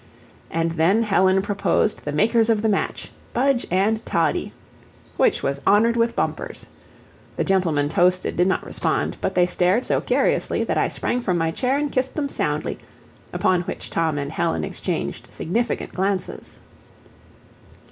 And then Helen proposed "the makers of the match Budge and Toddie!" which was honored with bumpers. The gentlemen toasted did not respond, but they stared so curiously that I sprang from my chair and kissed them soundly, upon which Tom and Helen exchanged significant glances.